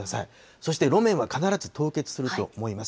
そして路面は必ず凍結すると思います。